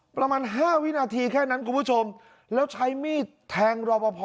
ประมาณห้าวินาทีแค่นั้นคุณผู้ชมแล้วใช้มีดแทงรอปภ